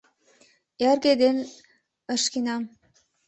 Эрге ден ышкенам